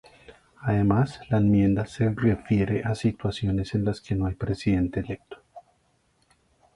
Además, la enmienda se refiere a situaciones en las que no hay Presidente electo.